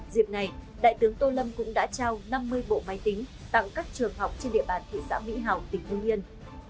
dịp này đại tướng tô lâm cũng đã trao năm mươi bộ máy tính tặng các trường học trên địa bàn thị xã mỹ hào tỉnh hương yên